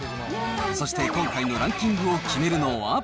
そして今回のランキングを決めるのは。